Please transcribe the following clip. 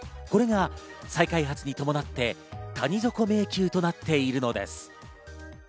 これが再開発に伴って谷底迷宮となっているのです。